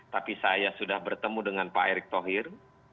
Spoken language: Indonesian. tapi saya sudah bertemu dengan pak erick thohir